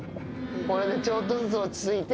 これでちょっとずつ落ち着いて。